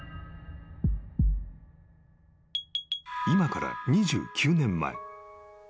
［今から２９年前］